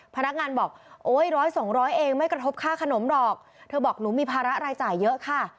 พนักงานบอกโอ๊ยร้อยสองร้อยเองไม่กระทบค่าขนมหรอกเธอบอกหนูมีภาระรายจ่ายเยอะค่ะ